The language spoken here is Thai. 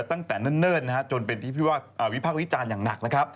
ตั้งแต่เนิ่นจนเป็นวิภาควิจารณ์อย่างหนัก